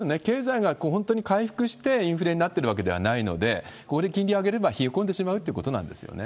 これ、あれですよね、経済が本当に回復してインフレになってるわけではないので、ここで金利を上げれば冷え込んでしまうということなんですよね？